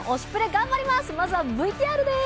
頑張ります。